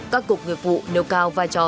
các cục nghiệp vụ nêu cao vai trò